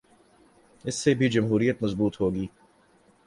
اس سے بھی جمہوریت مضبوط ہو گی۔